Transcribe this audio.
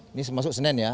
ini masuk senin ya